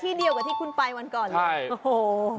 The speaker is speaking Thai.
ที่เดียวกับที่คุณไปวันก่อนเหรอโอ้โฮโอ้โฮ